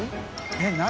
えっ何？